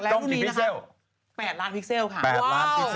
แล้วตรงนี้นะคะ๘ล้านพิกเซลค่ะ